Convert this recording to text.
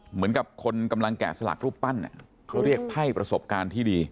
เหมือนกับคนกำลังแกะสลักรูปปั้นเขาเรียกไพ่ประสบการณ์ที่ดี